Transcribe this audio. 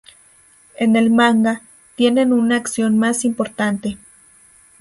En el manga, tienen una acción más importante.